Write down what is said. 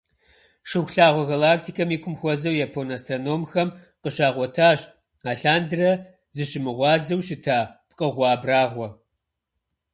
Шыхулъагъуэ галактикэм и кум хуэзэу япон астрономхэм къыщагъуэтащ алъандэрэ зыщымыгъуазэу щыта пкъыгъуэ абрагъуэ.